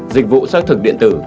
dịch vụ xác thực điện tử